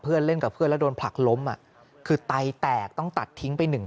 เล่นกับเพื่อนแล้วโดนผลักล้มคือไตแตกต้องตัดทิ้งไปหนึ่ง